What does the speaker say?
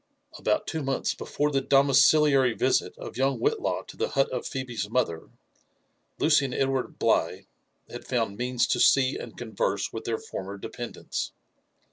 About two months before the domiciliary visit of young Whitlaw to the hut of Phebe's mother, Lucy and Edward Bligh had found means to see and converse with their former dependants.